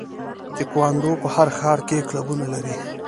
تکواندو په هر ښار کې کلبونه لري.